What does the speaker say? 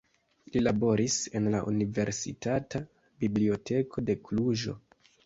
Li laboris en la Universitata Biblioteko de Kluĵo.